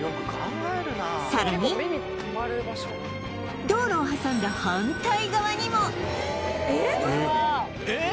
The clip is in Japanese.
さらに道路を挟んだ反対側にもえっ！？